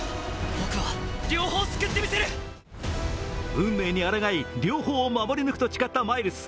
運命にあらがい、両方を守り抜くと誓ったマイルス。